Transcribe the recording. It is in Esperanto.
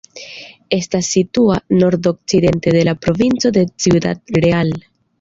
Estas situa nordokcidente de la provinco de Ciudad Real.